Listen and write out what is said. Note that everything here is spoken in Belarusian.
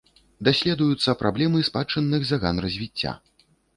Даследуюцца праблемы спадчынных заган развіцця.